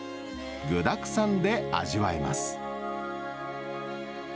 具だくさんで味わえます。